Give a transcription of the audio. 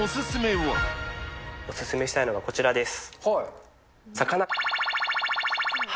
お勧めしたいのがこちらです。